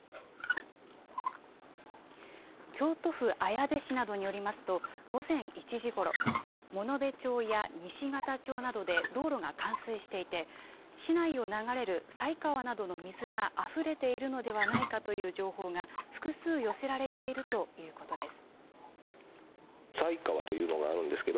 京都府綾部市などによりますと午前１時ごろ、物部町や西方町などで道路が冠水していて市内を流れる犀川などの水があふれているのではないかという情報が複数、寄せられているということです。